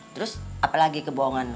terus apalagi kebohongan lu